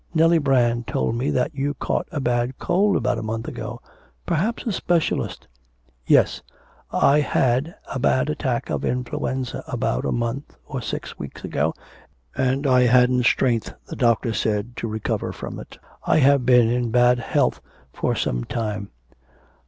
Nellie Brand told me that you caught a bad cold about a month ago. Perhaps a specialist ' 'Yes, I had a bad attack of influenza about a month or six weeks ago and I hadn't strength, the doctor said, to recover from it. I have been in bad health for some time.